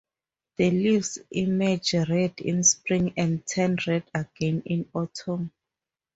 The leaves emerge red in spring and turn red again in autumn.